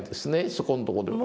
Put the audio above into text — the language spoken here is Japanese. そこんとこでは。